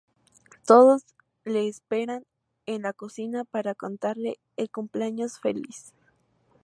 Todos le esperan en la cocina para cantarle el cumpleaños feliz.